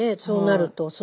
そうなると。